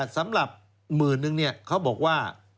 สำหรับหมื่นนึงเขาบอกว่า